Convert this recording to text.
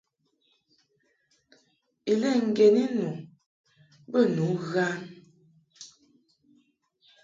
Ilɛ ŋgeni nu bə nu ghan.